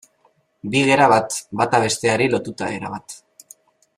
Bi gera bat, bata besteari lotuta erabat.